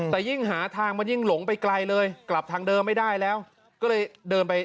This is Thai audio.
แต่ยิ่งหาทางมันยิ่งหลงไปไกลเลยกลับทางเดิมไม่ได้แล้วก็เลยเดินไป